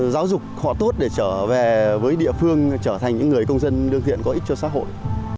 giáo dục họ tốt để trở về với địa phương trở thành những người công dân lương thiện có ích cho xã hội